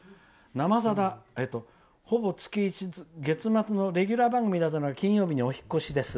「「生さだ」ほぼ月末のレギュラー番組から金曜日にお引っ越しです。